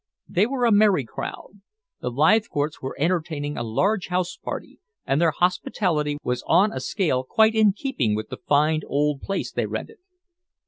They were a merry crowd. The Leithcourts were entertaining a large house party, and their hospitality was on a scale quite in keeping with the fine old place they rented.